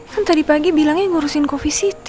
kan tadi pagi bilangnya ngurusin coffee city